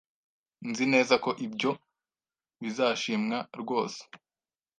Nzi neza ko ibyo bizashimwa rwose.